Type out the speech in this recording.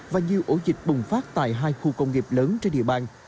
và nhiều ổ dịch bùng phát tại hai khu công nghiệp lớn trên địa bàn